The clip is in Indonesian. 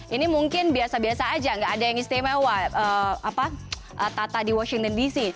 ini mungkin biasa biasa aja nggak ada yang istimewa tata di washington dc